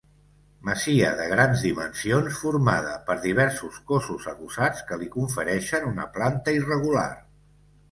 Masia de grans dimensions formada per diversos cossos adossats que li confereixen una planta irregular.